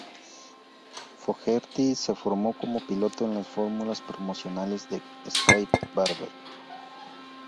Fogerty se formó como piloto en las fórmulas promocionales de Skip Barber.